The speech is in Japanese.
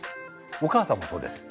お母さんもそうです。